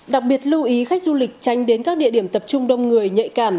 đặc biệt lưu ý khách du lịch tránh đến các địa điểm tập trung đông người nhạy cảm